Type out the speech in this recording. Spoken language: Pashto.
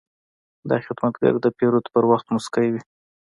دا خدمتګر د پیرود پر وخت موسکی وي.